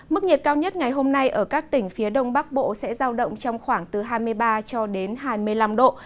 mức nhiệt cao nhất ngày hôm nay ở các tỉnh phía đông bắc bộ sẽ giao động trong khoảng từ hai mươi ba cho đến hai mươi năm độ